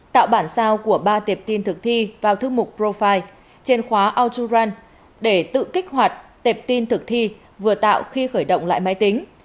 tạo bản sao của ba tập tin thực thi vào thư mục profile trên khóa alturan để tự kích hoạt tập tin thực thi vừa tạo khi khởi động lại máy tính